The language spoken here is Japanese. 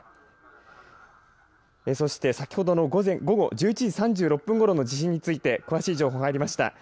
そして先ほどの午後１１時３６分ごろの地震について詳しい情報が入りました。